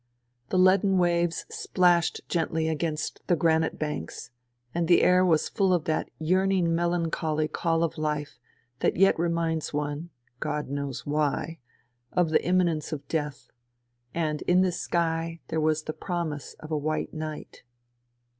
The leaden waves splashed gently against the granite banks ; and the air was full of that yearning melancholy call of life that yet reminds one — God knows why — of the imminence of death ; THE REVOLUTION 99 and in the sky there was the promise of a white night.